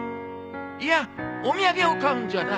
いやお土産を買うんじゃない。